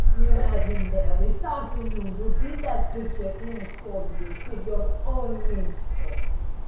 You had him there this afternoon to bid that picture in for you if your own means failed.